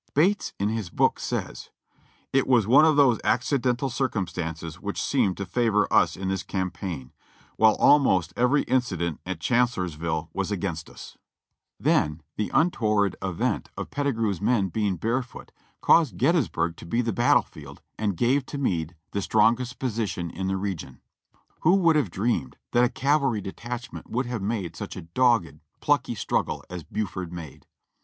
Bates, in his book, says: "It was one of those accidental circumstances which seemed to favor us in this campaign, while almost every incident at Chan cellorsville was agfainst us." 388 JOHNNY REB AND BILLY YANK Then the untoward event of Pettigrew's men Ijeing barefoot caused Gettysburg to be the battle field, and gave to Meade the strongest position in the region. Who would have dreamed that a cavalry detachment would have made such a dogged, plucky struggle as Buford made.